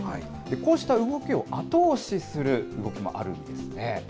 こうした動きを後押しする動きもあるんですね。